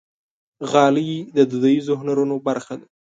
غالۍ د دودیزو هنرونو برخه ده.